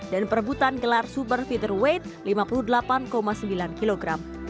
dan perebutan gelar super featherweight lima puluh delapan sembilan kg